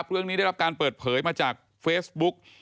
เรื่องนี้ได้รับการเปิดเผยมาจากเฟสบุ๊ก